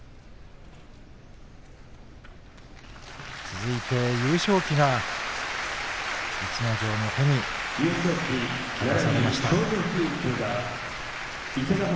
続いて優勝旗が逸ノ城の手に渡されました。